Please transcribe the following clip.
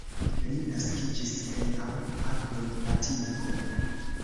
Li naskiĝis en aŭ apud Atiko.